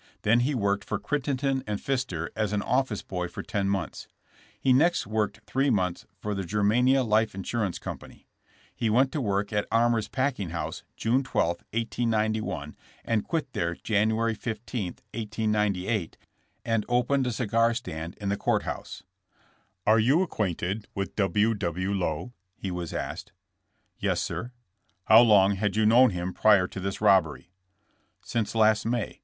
Then he worked for Crittenden & Phister as zm office boy for ten months. He next worked three months for the Germania Life Insurance company. He went to work at Armour *s packing house June 12, 1891, and quit there January 15, 1898, and opened a eigar stand in the court house. Are you acquainted with W. W. Lowe?'* he was asked. Yes, sir.'' How long had yom known him prior to this robbery?" *' Since last May.